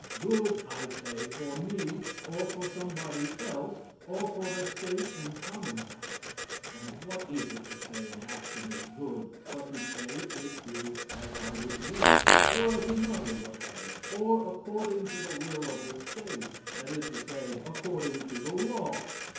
_ Good, I say, for me, or for somebody else, or for the State and Commonwealth. And what is it to say an action is good, but to say it is as I would wish, or as another would have it, or according to the will of the State that is to say, according to the law!